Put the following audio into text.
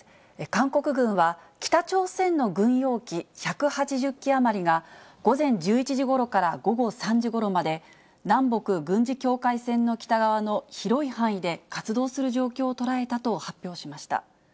韓国軍は、北朝鮮の軍用機１８０機余りが、午前１１時ごろから午後３時ごろまで、南北軍事境界線の北側の広い範囲で活動する状況を捉えたと発表しました。